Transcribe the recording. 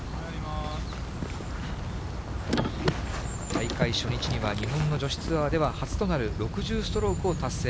大会初日には、日本の女子ツアーでは初となる６０ストロークを達成。